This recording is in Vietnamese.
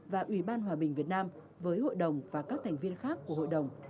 và ủy ban hòa bình việt nam với hội đồng và các thành viên khác của hội đồng